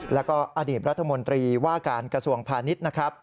แล้วก็อดีตรัฐมนตรีว่าการกระทรวงพาณิชย์นะครับ